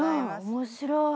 面白い！